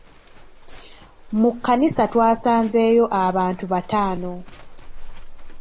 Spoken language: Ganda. Mu kkanisa twasanzeeyo abantu bataano.